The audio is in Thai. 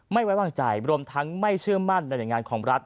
ไม่ไว้วางใจรวมทั้งไม่เชื่อมั่นในหน่วยงานของรัฐ